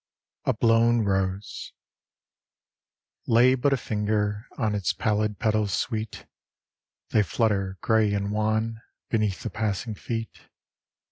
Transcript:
A BLOWN ROSE Lay but a finger on Its pallid petals sweet, They flutter, gray and wan, Beneath the passing feet.